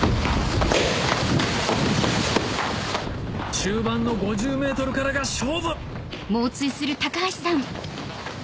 中盤の５０ｍからが勝負ん！